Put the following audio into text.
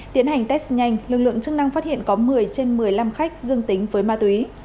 tiến hành test nhanh lực lượng chức năng phát hiện có một mươi trên một mươi năm khách dương tính với ma túy